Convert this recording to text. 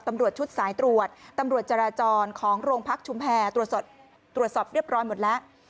ตรวจสอบเรียบร้อยหมดแล้ว